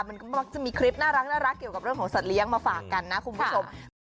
มันก็มักจะมีคลิปน่ารักเกี่ยวกับเรื่องของสัตว์เลี้ยงมาฝากกันนะคุณผู้ชม